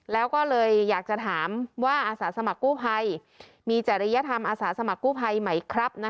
แล้วก็เลยอยากจะถามว่าอาสาสมัครกู้ภัยมีจริยธรรมอาสาสมัครกู้ภัยไหมครับ